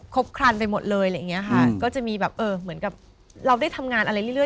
ครบครันไปหมดเลยอะไรอย่างเงี้ยค่ะก็จะมีแบบเออเหมือนกับเราได้ทำงานอะไรเรื่อย